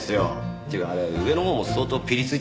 っていうかあれ上のほうも相当ピリついてるらしいですね。